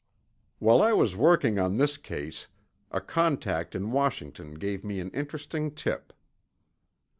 While I was working on this case, a contact in Washington gave me an interesting tip.